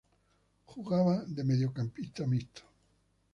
Jugaba de mediocampista mixto.